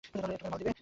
একটুখানি মাল খাবে?